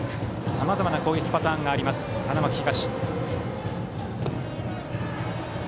さまざまな攻撃パターンがある花巻東。